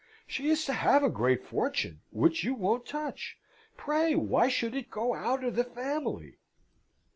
She is to have a great fortune, which you won't touch. Pray, why should it go out of the family?"